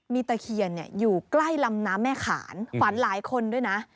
มีตะเคียนอยู่ใกล้ลำน้ำแม่ขานฝันหลายคนด้วยนะ